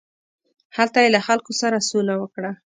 هلته یې له خلکو سره سوله وکړه.